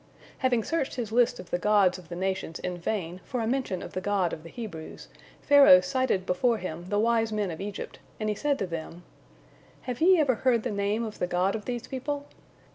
" Having searched his list of the gods of the nations in vain for a mention of the God of the Hebrews, Pharaoh cited before him the wise men of Egypt, and he said to them: "Have ye ever heard the name of the God of these people?"